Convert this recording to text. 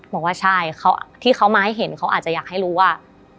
บอกว่าใช่ที่เขามาให้เห็นเขาอาจจะอยากให้รู้ว่า